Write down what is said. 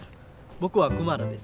僕はクマラです。